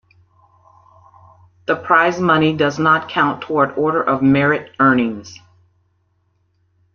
The prize money does not count toward Order of Merit earnings.